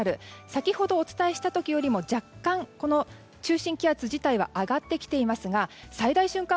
先ほどお伝えした時よりも若干、中心気圧自体は上がってきていますが最大瞬間